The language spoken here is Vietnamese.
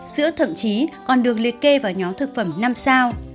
sữa thậm chí còn được liệt kê vào nhóm thực phẩm năm sao